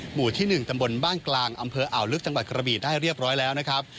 หมู่ที่๑ตำบลบ้านกลางอำเภออ่าวลึกจังหวัดกระบีได้เรียบร้อยแล้วนะครับ